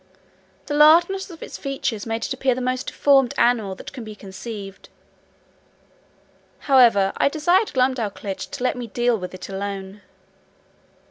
The largeness of its features made it appear the most deformed animal that can be conceived. However, I desired Glumdalclitch to let me deal with it alone.